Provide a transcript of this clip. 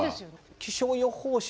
気象予報士